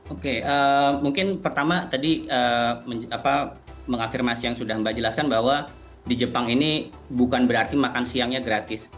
oke mungkin pertama tadi mengafirmasi yang sudah mbak jelaskan bahwa di jepang ini bukan berarti makan siangnya gratis